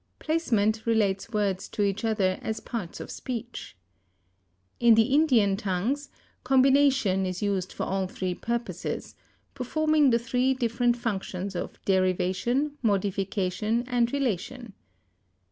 Placement relates words to each other as parts of speech. In the Indian tongues combination is used for all three purposes, performing the three different functions of derivation, modification, and relation.